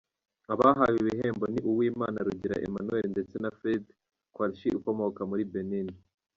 Abahawe ibihembo ni Uwimana Rugira Emmanuel ndetse na Fred Qaurshie ukomoka muri Benin.